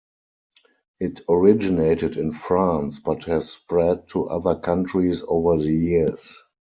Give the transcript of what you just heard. It originated in France but has spread to other countries over the years.